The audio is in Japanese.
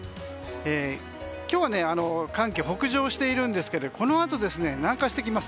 今日は寒気北上しているんですがこのあと南下してきます。